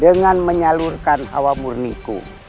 dengan menyalurkan awamur niku